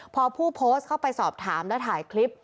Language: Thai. พอผู้โพสต์เข้าไปสอบถามและถ่ายคลิป